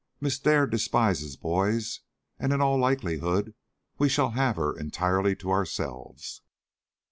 Miss Dare despises boys, and in all likelihood we shall have her entirely to ourselves."